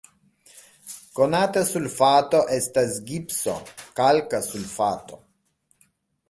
Konata sulfato estas gipso, kalka sulfato.